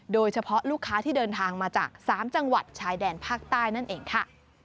โดยเฉพาะลูกค้าที่เดินทางมาจาก๓จังหวัดชายแดนภาคใต้นั่นเองค่ะ